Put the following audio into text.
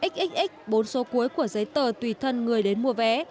xx bốn số cuối của giấy tờ tùy thân người đến mua vé